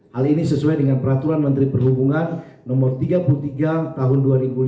hal ini sesuai dengan peraturan menteri perhubungan no tiga puluh tiga tahun dua ribu lima belas